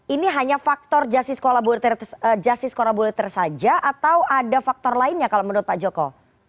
ini hanya faktor justice collaborator saja atau ada faktor lainnya kalau menurut pak joko